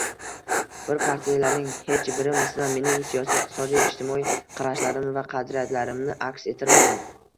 Bu partiyalarning hech biri, masalan, mening siyosiy, iqtisodiy, ijtimoiy qarashlarimni va qadriyatlarimni aks ettirmaydi